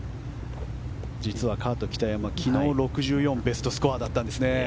実はカート・キタヤマ昨日、６４ベストスコアだったんです。